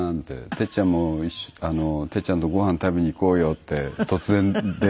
てっちゃんもてっちゃんとごはん食べに行こうよって突然電話くださって。